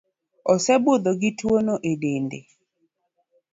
Osebudho gi tuo no e dende